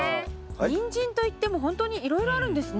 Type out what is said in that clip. ニンジンといっても本当にいろいろあるんですね。